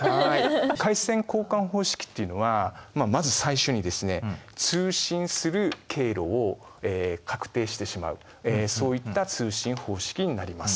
回線交換方式っていうのはまず最初にですね通信する経路を確定してしまうそういった通信方式になります。